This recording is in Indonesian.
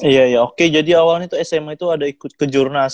iya ya oke jadi awalnya tuh sma itu ada ikut ke jurnas